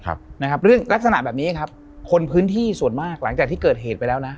ครับนะครับเรื่องลักษณะแบบนี้ครับคนพื้นที่ส่วนมากหลังจากที่เกิดเหตุไปแล้วนะ